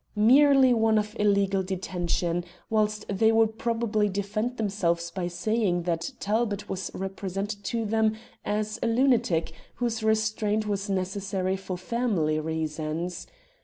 Merely one of illegal detention, whilst they would probably defend themselves by saying that Talbot was represented to them as a lunatic whose restraint was necessary for family reasons.